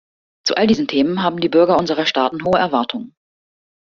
Zu all diesen Themen haben die Bürger unserer Staaten hohe Erwartungen.